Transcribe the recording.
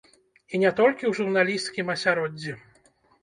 І не толькі ў журналісцкім асяроддзі.